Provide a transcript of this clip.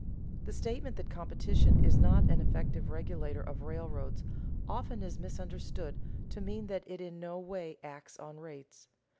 The statement that competition is not an effective regulator of railroads often is misunderstood to mean that it in no way acts on rates.